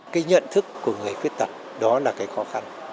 cái nhận thức của người khuyết tật đó là cái khó khăn